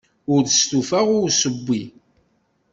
Ur stufaɣ i usewwi.